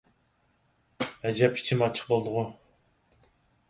ئەجەب ئىچىم ئاچچىق بولدىغۇ!